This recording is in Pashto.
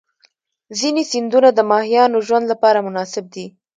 ځینې سیندونه د ماهیانو ژوند لپاره مناسب دي.